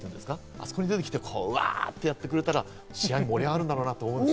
あそこに出てきて、わってやってくれたら試合が盛り上がるんだろうなと思いました。